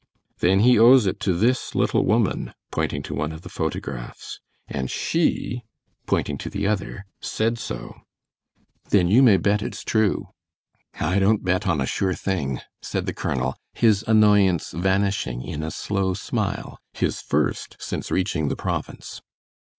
"Then he owes it to this little woman," pointing to one of the photographs, "and she," pointing to the other, "said so." "Then you may bet it's true." "I don't bet on a sure thing," said the colonel, his annoyance vanishing in a slow smile, his first since reaching the province.